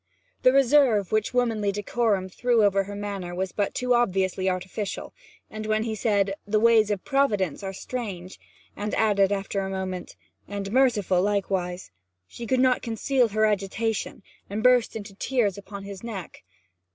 The reserve which womanly decorum threw over her manner was but too obviously artificial, and when he said 'the ways of Providence are strange,' and added after a moment, 'and merciful likewise,' she could not conceal her agitation, and burst into tears upon his neck.